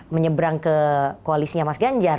menyeberang ke koalisinya mas ganjar